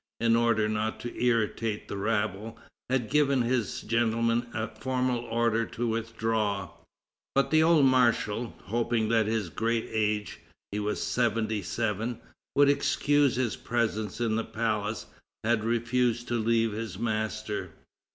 in order not to irritate the rabble, had given his gentlemen a formal order to withdraw, but the old marshal, hoping that his great age (he was seventy seven) would excuse his presence in the palace, had refused to leave his master.